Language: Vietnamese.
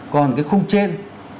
còn cái khung trên